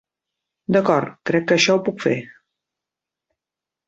D'acord, crec que això ho puc fer.